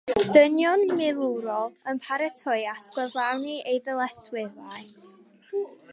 Dynion milwrol yn paratoi at gyflawni eu dyletswyddau.